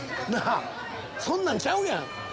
そんなんちゃうやん。